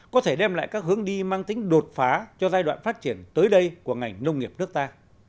có thể đem lại các hướng đi mang tính đột phá cho giai đoạn phát triển tới đây của ngành nông nghiệp nước ta